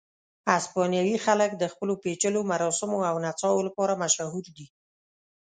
اسپانیایي خلک د خپلو پېچلیو مراسمو او نڅاو لپاره مشهور دي.